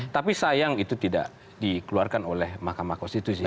tapi sayang itu tidak dikeluarkan oleh mahkamah konstitusi